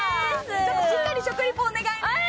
しっかり食リポお願いね。